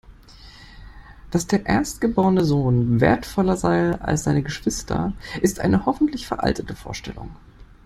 Dass der erstgeborene Sohn wertvoller sei als seine Geschwister, ist eine hoffentlich veraltete Vorstellung.